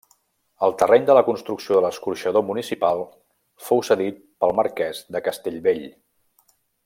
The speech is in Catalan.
El terreny de la construcció de l'Escorxador Municipal fou cedit pel Marquès de Castellbell.